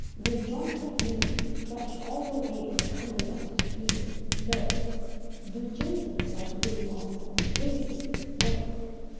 Will joints of meat keep fresh all the way from Cumberland to Sweden? No. Do gentlemen like living on salt provisions? No.